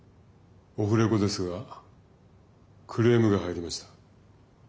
オフレコですがクレームが入りました。